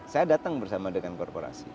saya datang bersama dengan korporasi